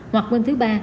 hoặc bên thứ ba